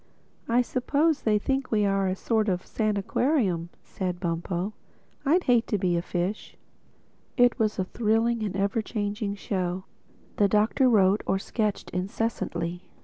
"I suppose they think we are a sort of sanaquarium," said Bumpo—"I'd hate to be a fish." It was a thrilling and ever changing show. The Doctor wrote or sketched incessantly.